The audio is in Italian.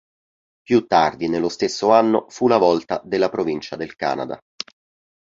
Più tardi nello stesso anno fu la volta della Provincia del Canada.